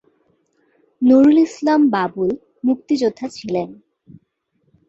নুরুল ইসলাম বাবুল মুক্তিযোদ্ধা ছিলেন।